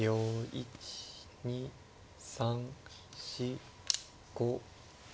１２３４５。